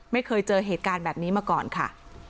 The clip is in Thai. ไม่เคยเจอเหตุการณ์แบบนี้มาก่อนค่ะ